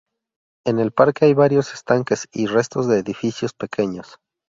En el parque hay varios estanques, y restos de edificios pequeños.